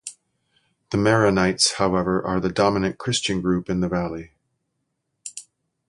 The Maronites, however, are the dominant Christian group in the valley.